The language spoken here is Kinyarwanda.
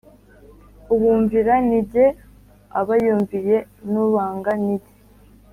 Ubumvira ni jye aba yumviye n ubanga ni jye